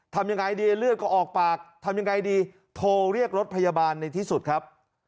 ทำยังไงดีเลือดก็ออกปากทำยังไงดีโทรเรียกรถพยาบาลในที่สุดครับ